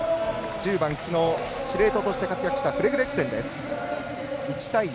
１０番、きのう司令塔として活躍したフレズレクセンです。